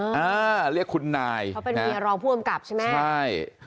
อ่าเรียกคุณนายเขาเป็นเมียรองผู้กำกับใช่ไหมใช่